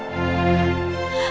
namanya wat guru